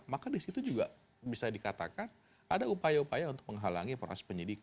maka di situ juga bisa dikatakan ada upaya upaya untuk menghalangi informasi penyelidikan